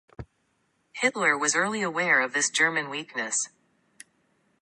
Hitler was early aware of this German weakness.